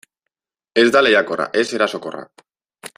Ez da lehiakorra, ez erasokorra.